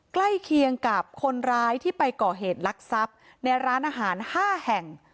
ใกล้เคียงกับคนร้ายที่ไปก่อเหตุลักษัพในร้านอาหาร๕แห่ง